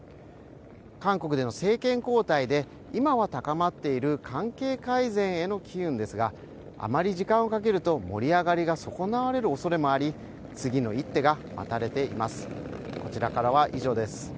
韓国での政権交代で、今は高まっている関係改善への機運ですがあまり時間をかけると盛り上がりが損なわれるおそれもあり次の一手が待たれています。